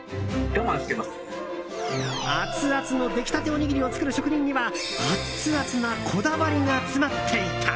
アツアツの出来たておにぎりを作る職人にはアツアツなこだわりが詰まっていた。